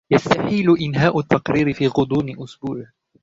يستحيل إنهاء التقرير في غضون أسبوع.